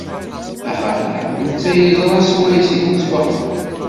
Axaṭer, netta yeẓra swayes i nettwaxdem.